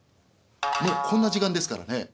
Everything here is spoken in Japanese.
「もうこんな時間ですからね